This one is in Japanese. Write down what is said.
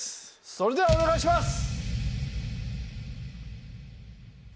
それではお願いします！